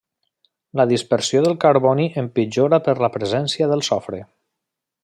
La dispersió del carboni empitjora per la presència del sofre.